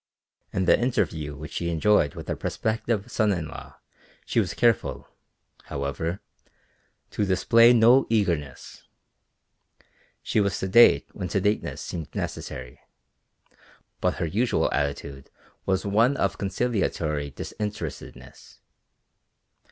In the interview which she enjoyed with her prospective son in law she was careful, however, to display no eagerness. She was sedate when sedateness seemed necessary, but her usual attitude was one of conciliatory disinterestedness.